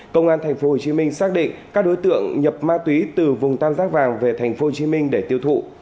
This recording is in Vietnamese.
công an tp hcm xác định các đối tượng nhập ma túy từ vùng tam giác vàng về tp hcm để tiêu thụ